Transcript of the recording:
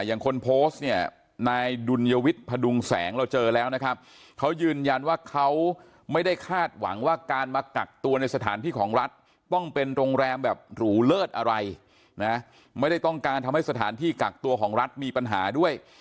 คนโพสต์เนี่ยนายดุลยวิทย์พดุงแสงเราเจอแล้วนะครับเขายืนยันว่าเขาไม่ได้คาดหวังว่าการมากักตัวในสถานที่ของรัฐต้องเป็นโรงแรมแบบหรูเลิศอะไรนะไม่ได้ต้องการทำให้สถานที่กักตัวของรัฐมีปัญหาด้วย